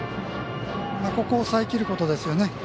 ここを抑えきることですね。